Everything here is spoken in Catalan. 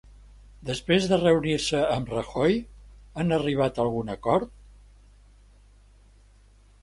Després de reunir-se amb Rajoy han arribat a algun acord?